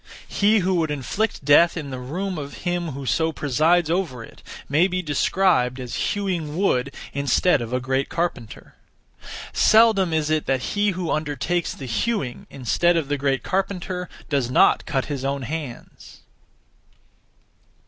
He who would inflict death in the room of him who so presides over it may be described as hewing wood instead of a great carpenter. Seldom is it that he who undertakes the hewing, instead of the great carpenter, does not cut his own hands!